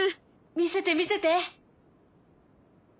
見せて見せて。